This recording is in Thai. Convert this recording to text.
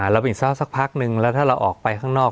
แล้วถ้าเราออกไปข้างนอก